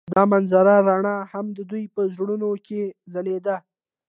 د منظر رڼا هم د دوی په زړونو کې ځلېده.